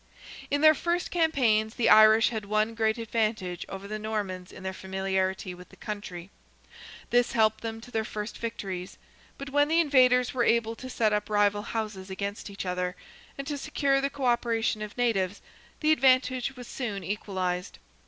In their first campaigns the Irish had one great advantage over the Normans in their familiarity with the country. This helped them to their first victories. But when the invaders were able to set up rival houses against each other, and to secure the co operation of natives, the advantage was soon equalized.